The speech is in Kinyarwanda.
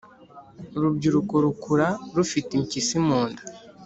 urubyiruko rukura rufite impyisi munda